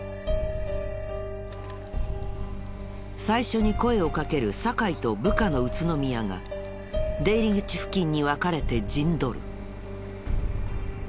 最初に声をかける酒井と部下の宇都宮が出入り口付近に分かれて陣取る。